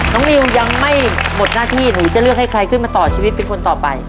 นิวยังไม่หมดหน้าที่หนูจะเลือกให้ใครขึ้นมาต่อชีวิตเป็นคนต่อไป